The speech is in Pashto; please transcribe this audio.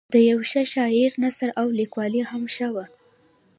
د یوه ښه شاعر نثر او لیکوالي هم ښه وه.